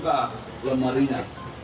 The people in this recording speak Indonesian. itu adalah lemarinya